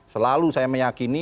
selalu saya meyakini